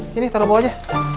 sini taruh bawah aja